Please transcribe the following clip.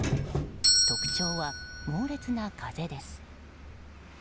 特徴は猛烈な風です。